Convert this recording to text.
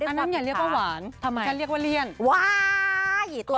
อันนั้นไงเรียกว่าหวานทำไมฉันเรียกว่าเลี่ยนว้ายตัว